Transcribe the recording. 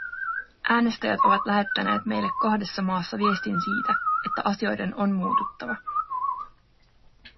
Äänestäjät ovat lähettäneet meille kahdessa maassa viestin siitä, että asioiden on muututtava.